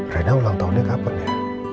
raida ulang tahunnya kapan ya